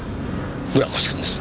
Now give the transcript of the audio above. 村越君です。